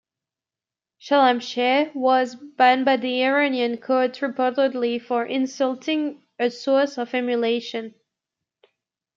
"Shalamcheh" was banned by the Iranian court reportedly for "insulting a source of emulation".